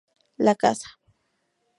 La caza.